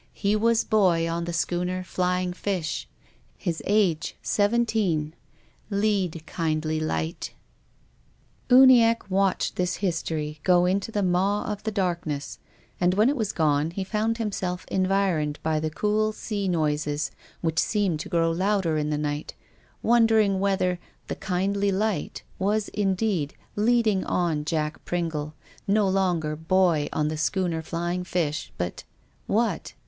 He was boy on the schooner ' Flying Fish.' His age seventeen. ' Lead kindly Light.' " Uniacke watched this history go into the maw of the darkness, and when it was gone he found him self environed by the cool sea noises which seemed to grow louder in the night, wondering whether the " Kindly Light " was indeed leading on Jack Pringle, no longer boy on the schooner " Flying Fish," but — what?